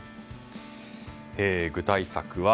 具体策は。